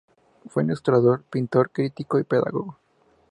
Fue ilustrador, pintor, crítico y pedagogo.